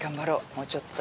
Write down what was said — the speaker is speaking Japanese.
もうちょっとだ。